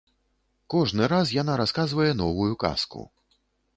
Кожны раз яна расказвае новую казку.